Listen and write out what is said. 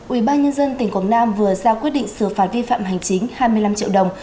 ubnd tỉnh quảng nam vừa ra quyết định xử phạt vi phạm hành chính hai mươi năm triệu đồng